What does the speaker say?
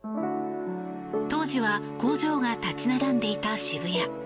当時は工場が立ち並んでいた渋谷。